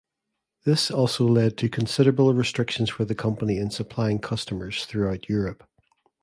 This also led to considerable restrictions for the company in supplying customers throughout Europe.